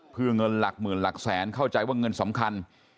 เพื่อเงินหลักหมื่นหลักแสนเข้าใจว่าเงินสำคัญ